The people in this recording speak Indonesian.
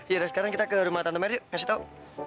yaudah sekarang kita ke rumah tante merry yuk ngasih tau